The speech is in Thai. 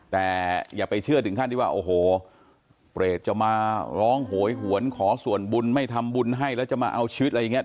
แต่อย่าไปเชื่อถึงขั้นที่ว่าโอ้โหเปรตจะมาร้องโหยหวนขอส่วนบุญไม่ทำบุญให้แล้วจะมาเอาชีวิตอะไรอย่างนี้